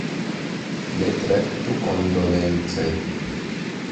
Ne traktu kondolence!